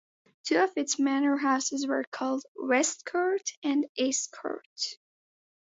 Two of its manor houses were called "West Court" and "East Court".